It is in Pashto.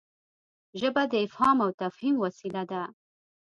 ژبه د افهام او تفهیم وسیله ده.